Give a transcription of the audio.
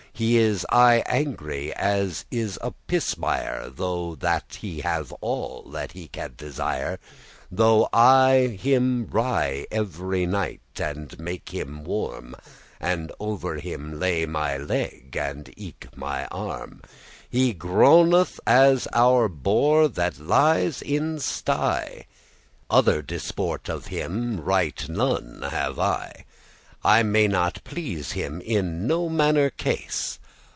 He is aye angry as is a pismire,* *ant Though that he have all that he can desire, Though I him wrie* at night, and make him warm, *cover And ov'r him lay my leg and eke mine arm, He groaneth as our boar that lies in sty: Other disport of him right none have I, I may not please him in no manner case."